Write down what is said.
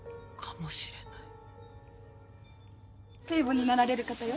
聖母になられる方よ。